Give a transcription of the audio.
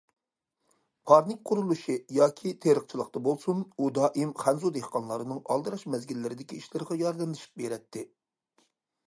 پارنىك قۇرۇلۇشى ياكى تېرىقچىلىقتا بولسۇن، ئۇ دائىم خەنزۇ دېھقانلارنىڭ ئالدىراش مەزگىللىرىدىكى ئىشلىرىغا ياردەملىشىپ بېرەتتى.